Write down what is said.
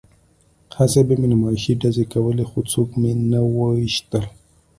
هسې به مې نمایشي ډزې کولې خو څوک مې نه ویشتل